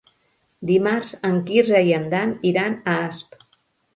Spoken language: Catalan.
Dimarts en Quirze i en Dan iran a Asp.